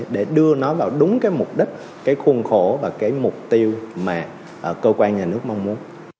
để đưa nó vào đúng cái mục đích cái khuôn khổ và cái mục tiêu mà cơ quan nhà nước mong muốn